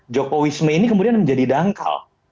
jokowisme ini kemudian menjadi dangkal